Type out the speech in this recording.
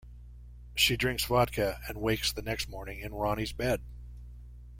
She drinks vodka and wakes the next morning in Ronnie's bed.